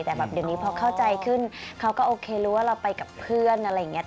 แต่แบบเดี๋ยวนี้พอเข้าใจขึ้นเขาก็โอเครู้ว่าเราไปกับเพื่อนอะไรอย่างนี้